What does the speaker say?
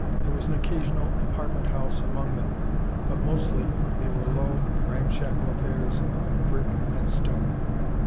There was an occasional apartment house among them, but mostly they were low, ramshackle affairs of brick and stone.